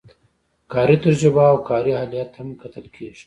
کاري تجربه او کاري اهلیت هم کتل کیږي.